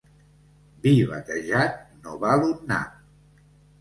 Vi batejat no val un nap.